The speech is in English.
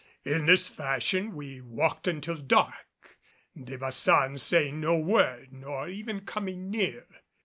In this fashion we walked until dark, De Baçan saying no word nor even coming near.